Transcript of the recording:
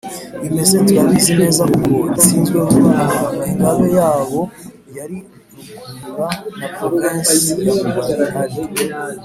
bimeze turabizi neza kuko gitsinzwe vuba aha. ingabe yabo yari rukurura. na provinsi ya mubari, ari